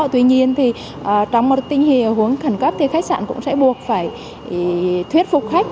tuy nhiên thì trong một tình huống khẩn cấp thì khách sạn cũng sẽ buộc phải thuyết phục khách